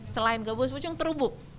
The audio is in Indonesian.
selain gabus pucung terubuk